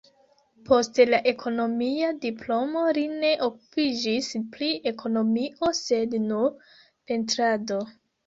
Post la ekonomia diplomo li ne okupiĝis pri ekonomio, sed nur pentrado.